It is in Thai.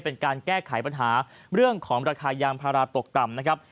เป็นการแก้ไขปัญหาเรื่องของราคายางพาราตกต่ำนะครับ